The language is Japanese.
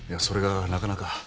それがなかなか。